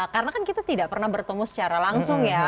karena kan kita tidak pernah bertemu secara langsung ya